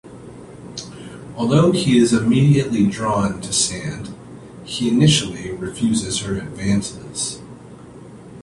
Although he is immediately drawn to Sand, he initially refuses her advances.